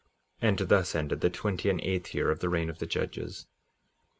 57:5 And thus ended the twenty and eighth year of the reign of the judges.